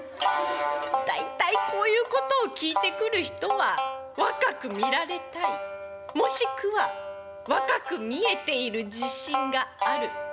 大体こういうことを聞いてくる人は若く見られたいもしくは若く見えている自信がある。